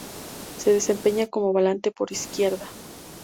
Se desempeña como Volante por izquierda.